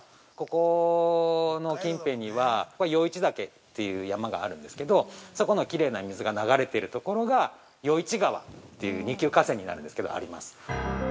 ◆ここの近辺には余市岳っていう山があるんですけどそこのきれいな水が流れてるところが余市川っていう二級河川になるんですけどあります。